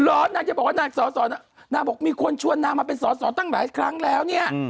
รอน่าจะบอกว่าน่าสอดสอดน่ะน่าบอกมีคนชวนน่ามาเป็นสอดสอดตั้งหลายครั้งแล้วเนี่ย